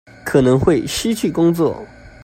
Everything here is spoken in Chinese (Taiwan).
可能會失去工作